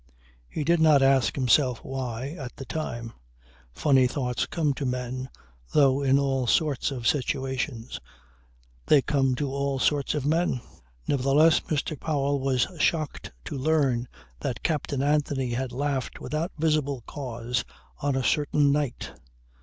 He did not ask himself why, at the time. Funny thoughts come to men, though, in all sorts of situations; they come to all sorts of men. Nevertheless Mr. Powell was shocked to learn that Captain Anthony had laughed without visible cause on a certain night.